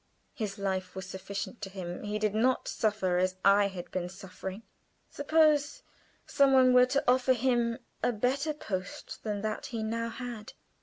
His life was sufficient to him. He did not suffer as I had been suffering. Suppose some one were to offer him a better post than that he now had.